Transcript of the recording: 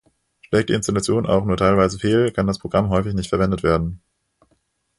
Schlägt die Installation auch nur teilweise fehl, kann das Programm häufig nicht verwendet werden.